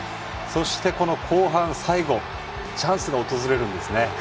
そして、後半最後チャンスが訪れるんですね。